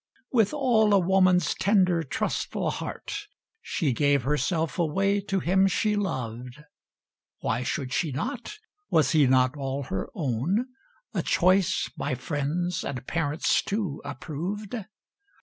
With all a woman's tender, trustful heart, She gave herself away to him she loved; Why should she not, was he not all her own, A choice by friends and parents too approved?